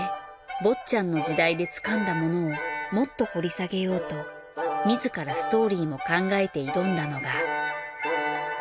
『「坊ちゃん」の時代』でつかんだものをもっと掘り下げようと自らストーリーも考えて挑んだのが。